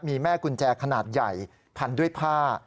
มีแม่กุญแจขนาดใหญ่พันด้วยผ้า